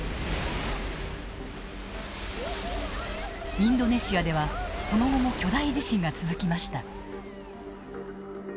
インドネシアではその後も巨大地震が続きました。